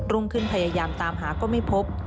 รุ่งขึ้นพยายามตามหาก็ไม่พบ